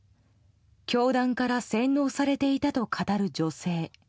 教団から洗脳されていたと語る女性。